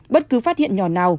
bất cứ phát hiện nhỏ nào